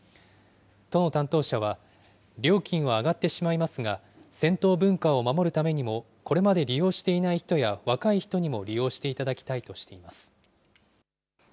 都の担当者は、料金は上がってしまいますが、銭湯文化を守るためにも、これまで利用していない人や若い人にも利用していただきたいとしています。